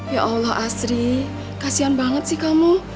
ya allah asri kasian banget sih kamu